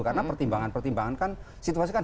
karena pertimbangan pertimbangan kan situasi kan